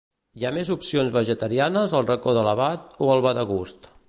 Hi ha més opcions vegetarianes al Racó de l'Abat o al Vadegust?